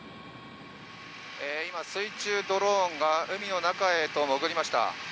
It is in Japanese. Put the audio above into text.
今、水中ドローンが海の中へと潜りました。